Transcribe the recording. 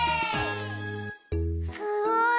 すごい！